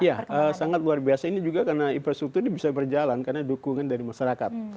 iya sangat luar biasa ini juga karena infrastruktur ini bisa berjalan karena dukungan dari masyarakat